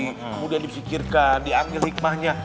kemudian disikirkan dianggil hikmahnya